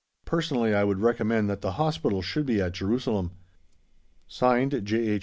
Personally I would recommend that the Hospital should be at Jerusalem. (Signed) J. H.